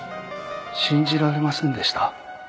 信じられませんでした。